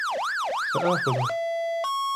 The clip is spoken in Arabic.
سآخذه.